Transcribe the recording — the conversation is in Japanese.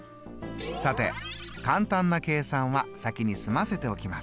さて簡単な計算は先に済ませておきます。